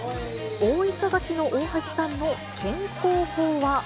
大忙しの大橋さんの健康法は？